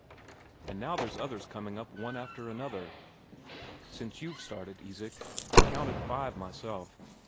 "And now there's others coming up one after another, since you've started, Isak. I counted five myself.